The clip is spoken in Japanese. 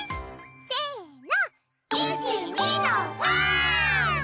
せの！